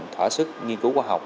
thỏa sức nghiên cứu khoa học